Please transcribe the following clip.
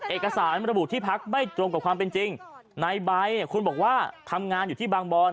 เอกสารระบุที่พักไม่ตรงกับความเป็นจริงในใบคุณบอกว่าทำงานอยู่ที่บางบอน